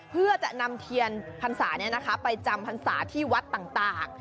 เพื่อจะนำเทียนพันษาเนี่ยนะคะไปจำพันษาที่วัดต่าง